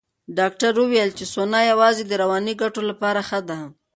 ډاکټره وویل چې سونا یوازې د رواني ګټو لپاره ښه ده.